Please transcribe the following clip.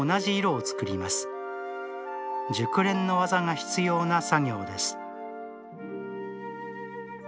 熟練の技が必要な作業です